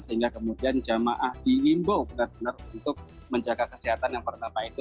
sehingga kemudian jamaah diimbau benar benar untuk menjaga kesehatan yang pertama itu